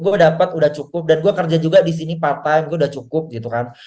gue dapat udah cukup dan gue kerja juga disini part time udah cukup gitu kan